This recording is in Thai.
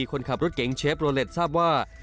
คนขับรถเก๋งเชฟโลเล็ตทราบว่า